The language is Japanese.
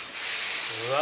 うわ！